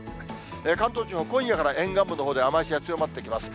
関東地方、今夜から沿岸部のほうで雨足が強まってきます。